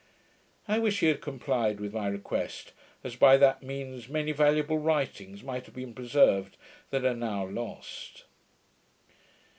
I wish he had complied with my request, as by that means many valuable writings might have been preserved, that are now lost.